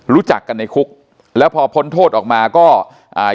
รู้จักกันในคุกแล้วพอพ้นโทษออกมาก็อ่า